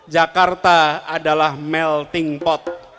jakarta adalah melting pot